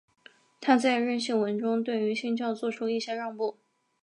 他在认信文中对于新教做出一些让步。